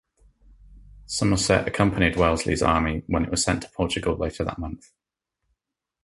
Somerset accompanied Wellesley's Army when it was sent to Portugal later that month.